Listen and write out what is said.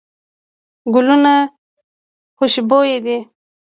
ګلونه خوشبوي دي.